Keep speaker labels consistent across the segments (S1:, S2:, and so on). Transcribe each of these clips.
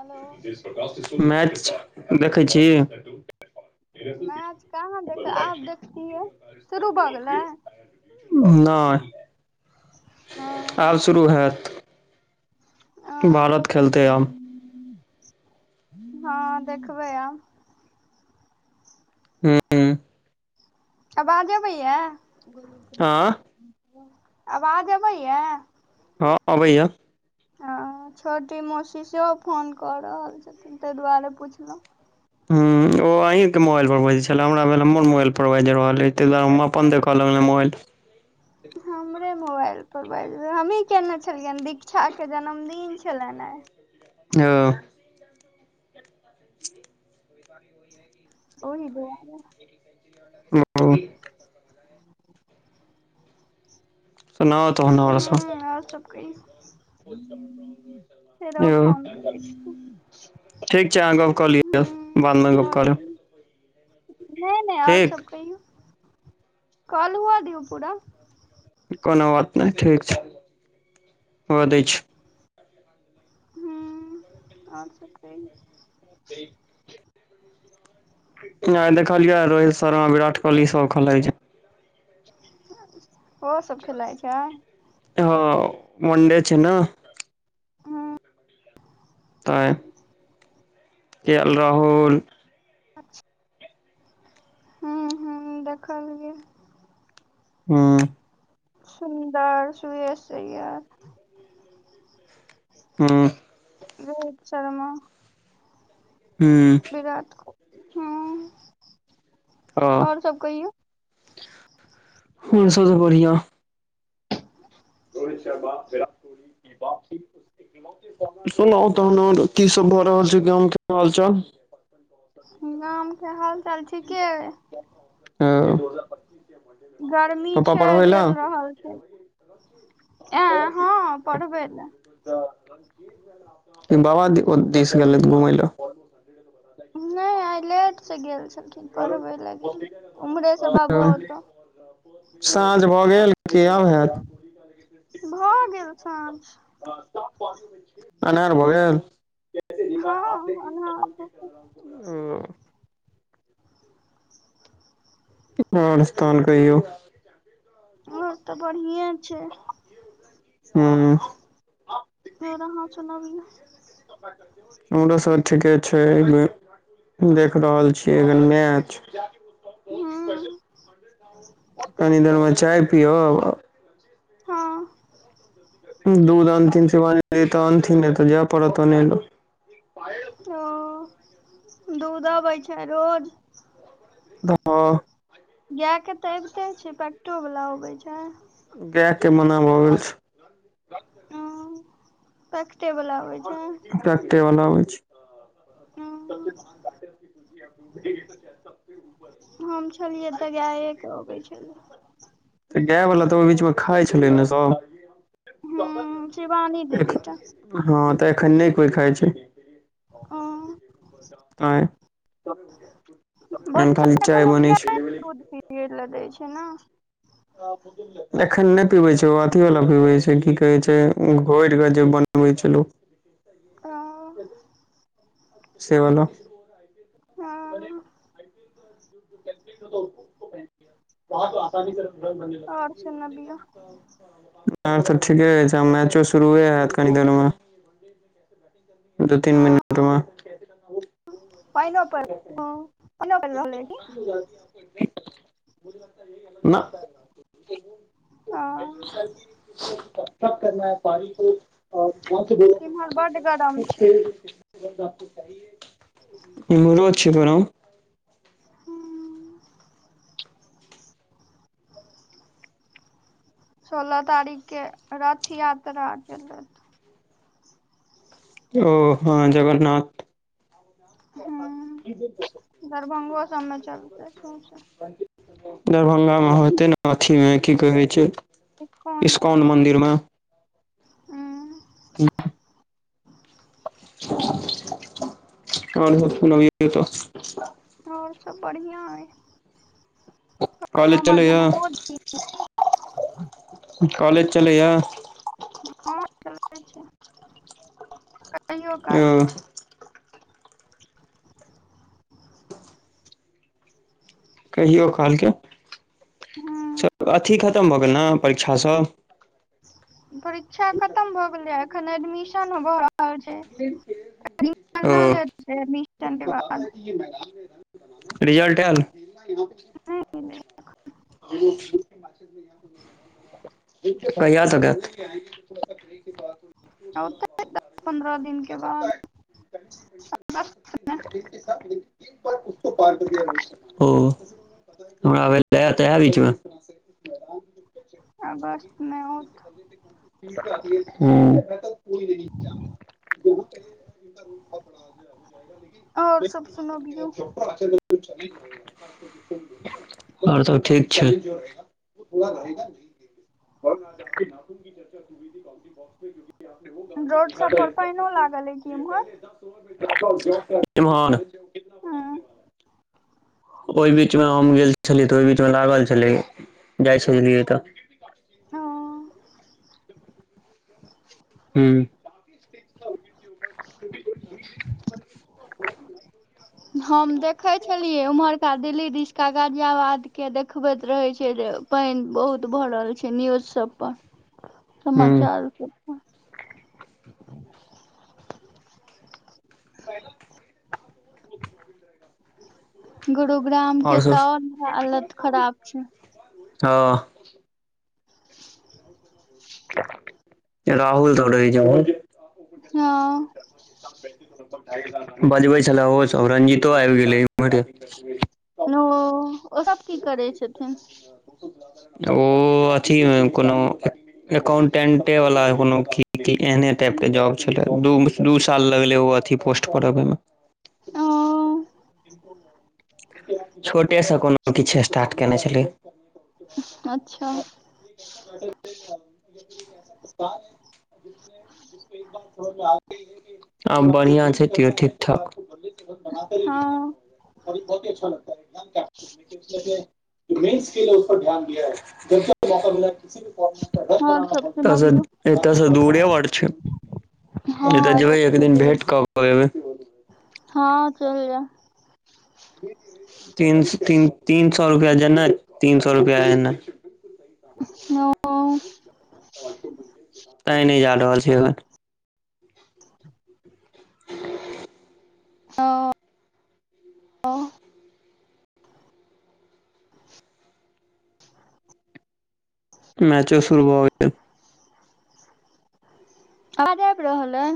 S1: Hello
S2: match देखै छी
S1: match कहाँ देख आब देखतियै शुरू भऽ गेलै
S2: नहि आब
S1: हँ
S2: शुरू होयत भारत खेलतै आब
S1: हँ देखबै आब
S2: हू
S1: आवाज अबैया
S2: आँ
S1: आवाज अबैया
S2: हँ अबैया
S1: हँ छोटी मौसी सेहो फोन कऽ रहल छथिन ताहि दुआरे पुछलहुँ
S2: हँ ओ ओ अहींके मोबाइल पर बाजै छलै हमरा भेल हमर मोबाइल पर बैज रहल ऐ ताहि द्वारे हम अपन देख लगलो मोबाइल
S1: हमरे मोबाइल पर बाज हमही केयने छलियनि दीक्षा कऽ जन्मदिन छलनि आ
S2: ओ
S1: ओहि दुआरे
S2: ओ सुनाउ तहन
S1: हू
S2: सब
S1: आओर सब कहियो फेरो ओ
S2: यौ
S1: फोन करे छै
S2: ठीक छै अहाँ गप्प कऽ लिय बादमे गप्प
S1: आओर
S2: करब
S1: नहि नहि और सब कहियो काॅल हुअ दियो पूरा
S2: कोनो बात नहि ठीक छैय हुअ दैय छी
S1: हू और सब कहियो
S2: ठीक आ देखलियै रोहित शर्मा विराट कोहली सब खेलैय छैय
S1: ओहो सब खेलाइ छैय
S2: हॅं वनडे छैय नऽ
S1: हू
S2: तै के एल राहुल
S1: अच्छा हुँ हुँ देखलियै
S2: हुँ
S1: सुन्दर सुयश अय्यर
S2: हूॅं
S1: रोहित शर्मा
S2: हूँ
S1: विराट कोहली हॅं
S2: हँ हम सब तऽ बढ़ियाँ [inaudible] सुनाउ तहन आर की सब भऽ रहल छै गाम के हाल चाल
S1: गामके हाल चाल ठीके ऐ
S2: हँ
S1: गरमी छै चलि रहल छै ऐं हँ पढ़बै लऽ
S2: बाबा दिस गेलैथ घुमय लऽ
S1: नय आइ लेट से गेल छलखिन पढ़बै लऽ गेले ओम्हरेसँ बाबो
S2: लए
S1: ओता
S2: साँझ भऽ गेल कि आब हैत
S1: भऽ गेल साँझ
S2: अन्हार भऽ गेल
S1: हँ अन्हार भऽ गेल
S2: अ, आओर सब तहन कहियौ
S1: आओर तऽ बढ़िएँ छै
S2: हूं
S1: आओर अहाँ सुनबियौ
S2: हमरो सब ठीके छै ऐमे देख रहल छियै एखन मैच
S1: हूँ
S2: कनि देर मे चाय पियब आब
S1: हँ
S2: दूध अनथिन सेवानि दी तऽ अनथिन ने तऽ जाय पड़त आनै लऽ
S1: ओ दूध अबै छै रोज
S2: हाँ
S1: गायके तऽ अबिते छै पैक्टो वला अबै छै
S2: गायके मना भऽ गेल छै
S1: ओ पैक्टे बला आबै छै
S2: पैक्टे वला अबै छै
S1: हूँ
S2: [inaudible]
S1: हम छेलियै तऽ गाए कऽ अबै छलै
S2: तऽ गाय वला तऽ ओहि बीच मे खाय छलै नऽ सब
S1: हूँ शिवानी दीदी टा
S2: हँ तऽ एखन नय कोइ खाइ छै
S1: ओ
S2: आंय ओयमे खाली चाय बनै छै।
S1: द [unintelligible] पीरड ल दै छै ने
S2: [inaudible] एखन नय पीबै छै ओ अथी वला पीबे छै की कहै छै घोर कऽ जे बनबै छेलौ [inaudible]
S1: आ
S2: सेवलो
S1: हुँ आओर सुनबियौ
S2: [inaudible] आओर सब तऽ ठीके अछि आब मैचो शुरुए हैत कनि देर मे दू तीन
S1: हँ
S2: मिनट मे
S1: पइनो पाइनो पड़ि रहलै ये की
S2: न
S1: अ इम्हर बड्ड गरम छै
S2: [unintelligible] [inaudible] इम्हरो छै गरम [inaudible]
S1: हूँ सोलह तारीख के रथ यात्रा छेलै
S2: ओ हँ जगन्नाथ
S1: हूं दरभंगो सबमे चलतै सौंसे
S2: [inaudible] दरभंगामे होतै न अथीमे की कहै छै
S1: ईसकोन
S2: इस्कॉन
S1: टेम्पल
S2: मंदिर में
S1: हुँ
S2: [inaudible] आओर सब सुनबियौ तऽ
S1: आओर सब बढ़ियाँ अय परसु
S2: कॉलेज
S1: हमर
S2: चलैया
S1: जन्मो दिन
S2: कॉलेज चलैय
S1: हँ चलै छै कहियो
S2: यो
S1: कालके
S2: कहियो कालके
S1: हूं
S2: अथी खतम भऽ गेल ने परीक्षा सब
S1: परीक्षा खतम भऽ गेलैये एखन एडमिशन भऽ रहल छै
S2: ओ
S1: रिजल्ट हेतै एडमिशन के बाद
S2: रिजल्ट एल
S1: [unintelligible]
S2: [unintelligible]
S1: औतै दस पन्द्रह दिन के बाद दस
S2: ओ हमरा भेल दै [unintelligible] त तऽ एहे बीचमे
S1: अगस्त मे आओत
S2: हुँ [inaudible]
S1: आओर सब सुनबियौ
S2: [inaudible] आओर सब ठीक छै [unintelligible]
S1: रोड सब पर पाइनो लागल हय की इम्हर
S2: इम्हर
S1: हँ।
S2: ओहि बीच मे हम गेल छेलियै तऽ ओहि बीचमे लागल छलै जाइ छेलियै तऽ
S1: ओ
S2: हूँ
S1: हम देखै छलियै उम्हरका दिल्ली दिशका गाजियाबाद के देखबति रहै छै जे पानि बहुत भरल छै न्यूज सब पर।
S2: [inaudible]
S1: समाचार पर छै।
S2: ब [unintelligible]
S1: गुरुग्राम के
S2: और सब
S1: त आओर हालत खराब छै।
S2: हँ। राहुल तब रहै छै [unintelligible]
S1: हँ
S2: बजबै छले ओ सब रंजितो आबि गेलै इम्हरे
S1: नउ ओ सब की करै छथिन
S2: ओ अथीमे कोनो एकाउंटेंटे वाला कोनो की एहने टाइप के जॉब छले द दू साल लगलै ओ अथी पोस्ट पर अबैमे
S1: अं
S2: छोटेसँ कोनो किछ स्टार्ट केने छलै
S1: अच्छा
S2: एकऐसा बैरा कप्तान है [unintelligible] आब बढ़िआ छै तैयो ठीक बना
S1: हँ
S2: बहुती अच्छा लग [unintelligible] उने अपने मेन स्केेल ह उपर ध्यान दै दर्जा मौका मिल किस भी फॉर्न [unintelligible]
S1: आओर सब
S2: एतय सॅ
S1: सुनबियौ
S2: एतय सॅ दूरे बड़ छै तब तऽ जेबै एक
S1: हँ
S2: दिन
S1: दूर
S2: भेट क कऽ ऐबै
S1: हँ चलि जाउ
S2: तीन सो तीन तीन सो रुपआ जेनाई तीन सो रुपआ एनाई
S1: ओ
S2: तै नय जा रहल छि एखन [inaudible]
S1: ह ओ [inaudible]
S2: मैचो शुरू भ गेल
S1: आज आबि रहल अय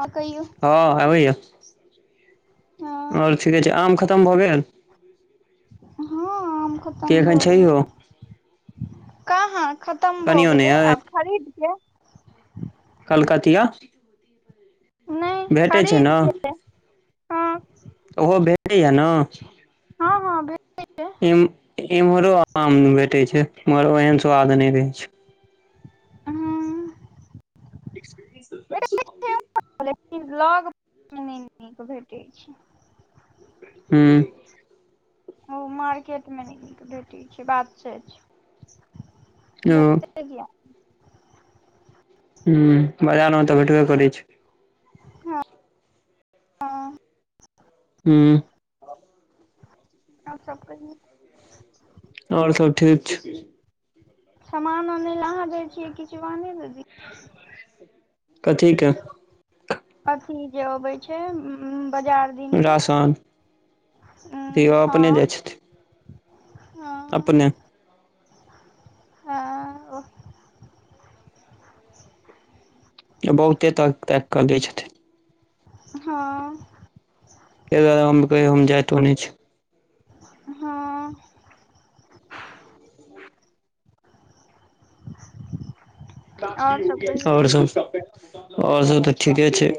S1: आँ कहियौ
S2: हँ आबै यऽ आओर
S1: हँ
S2: छिके छै आम खतम भऽ गेल
S1: हँ आम खतम
S2: कि
S1: भऽ
S2: एखन छैहो
S1: गेलै काहां खतम भऽ
S2: कनियो नहि
S1: गेलै
S2: अइ
S1: आब खरीदके
S2: कलकतिया
S1: नहि
S2: भेटै छै न
S1: खरीद के हँ
S2: ओहो भेटैया न
S1: हँ हँ भेंटय
S2: ईम् इम्हरो आम भेटे छै मगर ओहेन स्वाद नहि रहै छै
S1: हूं
S2: एक्सपीरियंस सुंग [unintelligible]
S1: लेकिन लग नय नीक भेटै छै
S2: हूं
S1: ओ मार्केट मे नय भेटै छै बात से छै
S2: ओ
S1: से किए
S2: हूं बजार मे तऽ भेटबे करै छै
S1: हँ हँ
S2: हूं
S1: आओर सब कहियौ
S2: आओर सब ठीक छै
S1: समान ओने लेऽ अहाँ गेल छियै कि शिवानी दीदी
S2: कथी के
S1: अथी जे अबे छै उं उ बाजार दिन के
S2: राशन
S1: ऊं
S2: दियौ
S1: हँ
S2: अपने जाइ छथिन अपने
S1: हँ हँ ओ
S2: बहुते तक ताकि कऽ दै छथिन
S1: हँ
S2: तै दुआरे हम कहियो हम जाइतो नय छी
S1: हँ [inaudible] और सब कहियौ
S2: आओर सभ आओर सभ तऽ ठीके छै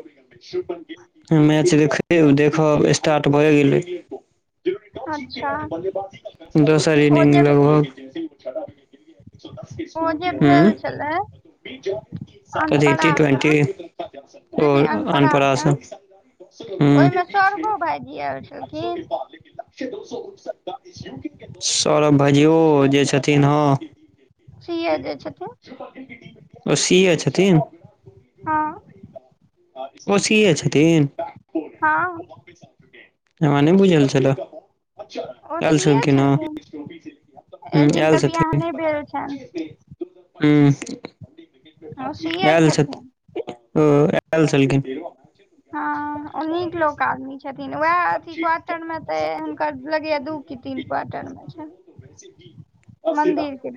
S2: मैच देखे देखब स्टार्ट भए गेलै
S1: अच्छा
S2: दोसर
S1: ओ
S2: इनिंग
S1: जे
S2: लगभग
S1: ओ जे भेल
S2: ऊं
S1: छलै
S2: कथी टी ट्वेंटी
S1: अन्नप्राशन नहि नहि
S2: आओर अन्नप्राशन
S1: ओहिमे
S2: ऊं
S1: सौरभो भाइजी आयल छै
S2: [unintelligible] सौरभ भाइजी ओ जे छथिन हं
S1: सी ए जे छथिन
S2: ओ सी ए छथिन
S1: हँ
S2: ओ सी ए छथिन
S1: हँ
S2: हमरा नय बुझल छले आयल छलखिन हं
S1: एक दिन के बियाह नहि भेल छनि
S2: हूं
S1: ओ सी ए
S2: एल
S1: छथिन
S2: छथि ओ एल छलखिन
S1: हँ ओ नीक लोक आदमी छै छथिन वैह अथी क्वार्टर मे ते हुनकर लगैया दू की तीन क्वार्टर मे छैन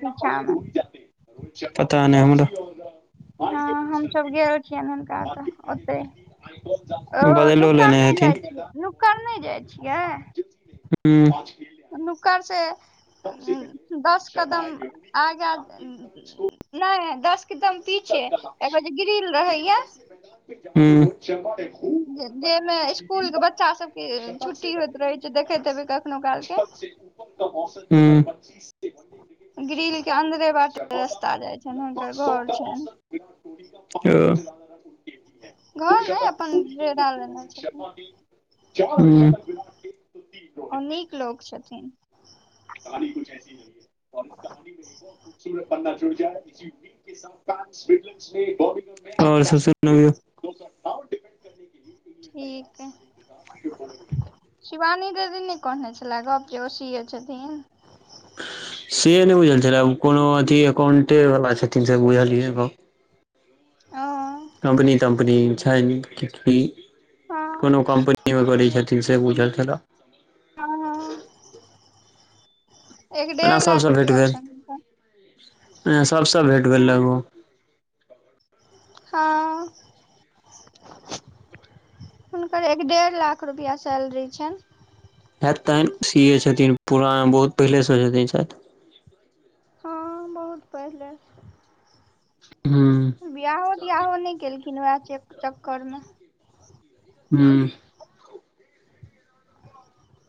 S1: पीछा मे
S2: पता नय हमरा
S1: हँ हम सभ गेल छियनि हुनका ओतऽ ओतय ओ
S2: बदलो
S1: नुकल
S2: लेने
S1: नय
S2: हेथिन
S1: जाइ छियै नुकल नय जाइ छियै
S2: हूँ
S1: नुकर से दस कदम आगा नय दस कदम पीछे एगो जे ग्रील रहैया
S2: हूँ
S1: जेमे इसकुल के बच्चा सभके छुट्टी होइत रहै छै देखैत हेबै कखनो काल के
S2: हूं
S1: ग्रिल के अन्दरे बाटे रस्ता जय छनि हुनकर घर छनि
S2: ओ
S1: घर नहि अपन डेरा लेने छथिन ओ नीक लोक छथिन
S2: [unintelligible] कहानी कुछ ऐसी नहिऔ [unintelligible] इस कहानी मे खूबसूरत पन्ना जुड़ जा [unintelligible] ए इसी भी- र [unintelligible] सबस न [unintelligible]
S1: ठीक अइ शिवानी दीदी नै कहने छलेजे ओ सि ए छथिन
S2: से नहि बुझल छलै ओ कोनो अकाउंटे वाला छथिन से बुझलिय गप
S1: ओ
S2: कम्पनी-तम्पनी छ
S1: हँ
S2: कोनो कम्पनी मे करै छथिन। से बुझल छल।
S1: हाँ-हाँ एक
S2: ओना
S1: डेढ़
S2: सभसँ
S1: लाख
S2: भेट
S1: रुपआ
S2: भेल
S1: छैन हुनका
S2: ओना सभसँ भेट भेल
S1: हँ
S2: लगभग
S1: हाँ हुनकर एक डेढ़ लाख रुपआ सैलरी छनि।
S2: हैतन सी ए छथिन पुरान बहुत पहिलेसँ छथिन शायद
S1: हाँ बहुत पहिले
S2: हूँ
S1: बिाआहो तियाहो नहि केलखिन वएह च-चक्कर मे
S2: हूँ
S1: [unintelligible]